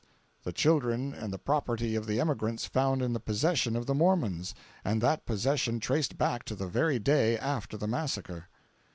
The children and the property of the emigrants found in possession of the Mormons, and that possession traced back to the very day after the massacre.